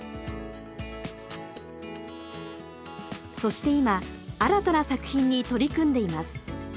そして今新たな作品に取り組んでいます。